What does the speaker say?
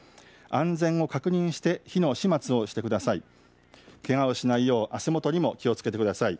安全を確認して火の始末をしてください。